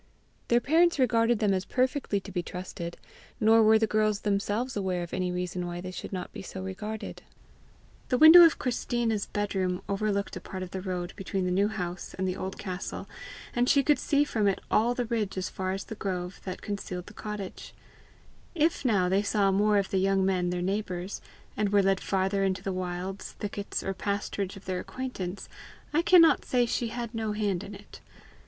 Their parents regarded them as perfectly to be trusted, nor were the girls themselves aware of any reason why they should not be so regarded. The window of Christina's bedroom overlooked a part of the road between the New House and the old castle; and she could see from it all the ridge as far as the grove that concealed the cottage: if now they saw more of the young men their neighbours, and were led farther into the wilds, thickets, or pasturage of their acquaintance, I cannot say she had no hand in it.